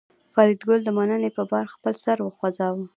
فریدګل د مننې په پار خپل سر وښوراوه